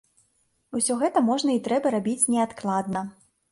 Усё гэта можна і трэба рабіць неадкладна.